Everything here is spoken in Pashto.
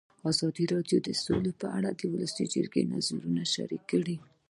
ازادي راډیو د سوله په اړه د ولسي جرګې نظرونه شریک کړي.